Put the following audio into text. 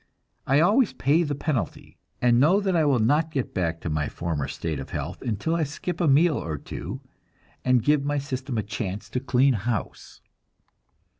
I always pay the penalty, and know that I will not get back to my former state of health until I skip a meal or two, and give my system a chance to clean house.